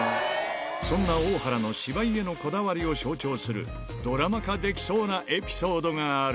そんな大原の芝居へのこだわりを象徴する、ドラマ化できそうなエピソードがある。